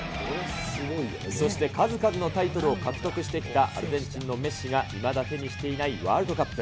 そして数々のタイトルを獲得してきたアルゼンチンのメッシがいまだ手にしていないワールドカップ。